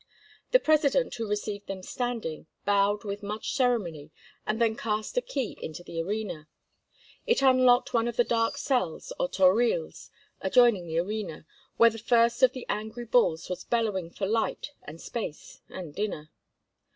The president, who received them standing, bowed with much ceremony and then cast a key into the arena. It unlocked one of the dark cells, or toriles, adjoining the arena, where the first of the angry bulls was bellowing for light and space and dinner.